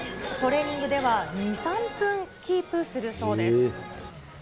トレーニングでは２、３分、キープするそうです。